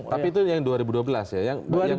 tapi itu yang dua ribu dua belas ya